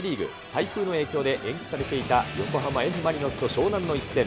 台風の影響で延期されていた横浜Ｆ・マリノスと湘南の一戦。